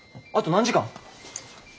あと何時間？